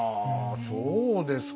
そうですか。